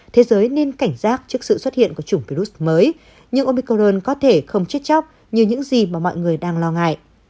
thế giới nên cảnh giác trước sự xuất hiện của chủng virus mới nhưng omicron có thể không chết chóc như những gì mà mọi người đang lo ngại